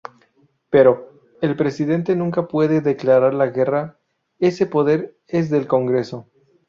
Pero, el Presidente nunca puede declarar la guerra, ese poder es del Congreso.